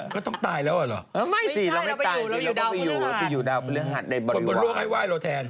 ก็ต้องตายแล้วหรอไม่สิเราไม่ตายเราก็ไปอยู่ดาวคุณหัดในบริวารคนบนโลกไอ้ไหว้เราแทน